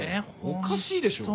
おかしいでしょ。